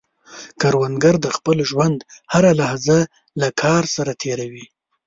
کروندګر د خپل ژوند هره لحظه له کار سره تېر وي